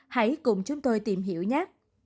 hãy cùng chúng tôi tìm hiểu nhé